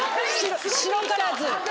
白からず。